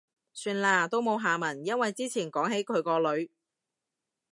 算喇，都冇下文。因為之前講起佢個女